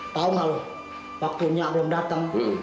tau ga lo waktunya belum dateng